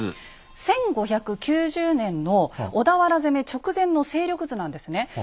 はい１５９０年の小田原攻め直前の勢力図なんですね。